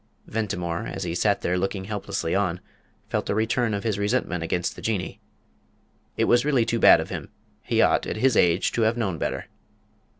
Ventimore, as he sat there looking helplessly on, felt a return of his resentment against the Jinnee. It was really too bad of him; he ought, at his age, to have known better!